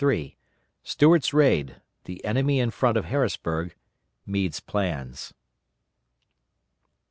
STUART'S RAID THE ENEMY IN FRONT OF HARRISBURG MEADE'S PLANS.